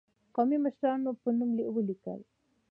قومي مشرانو په نوم ولیک.